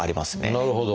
なるほど。